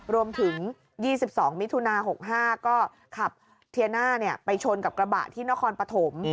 รวมถึง๒๒มิถุนา๖๕ก็ขับเทียน่าเนี่ยไปชนกับกระบะที่นครปฐม